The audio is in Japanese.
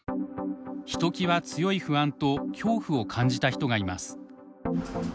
ひときわ強い不安と恐怖を感じた人がいます。